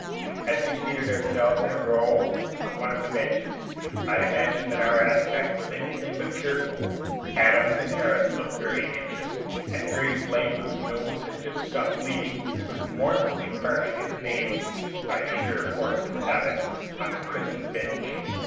As we seated ourselves in a row on one of the benches, I imagine that our aspect was anything but cheerful. Adams and Harris looked very anxious, and Harry Blake, whose nose had just stopped bleeding, was mournfully carving his name, by sheer force of habit, on the prison bench.